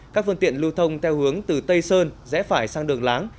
các phương tiện lưu thông theo hướng từ tây sơn rẽ phải sang đường láng